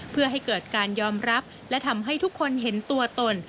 เพื่อให้เกิดการยอมรับและทำให้ทุกคนเห็นตัวตน